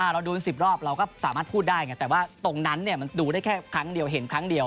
เราดูเป็น๑๐รอบเราก็สามารถพูดได้ไงแต่ว่าตรงนั้นมันดูได้แค่ครั้งเดียวเห็นครั้งเดียว